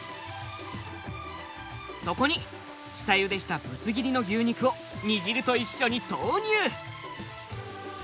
そこに下ゆでしたぶつ切りの牛肉を煮汁と一緒に投入。